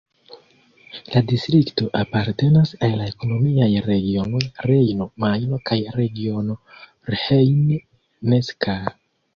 La distrikto apartenas al la ekonomiaj regiono Rejno-Majno kaj regiono Rhein-Neckar.